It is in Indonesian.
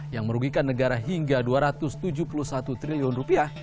yang merugikan negara hingga dua ratus tujuh puluh satu triliun rupiah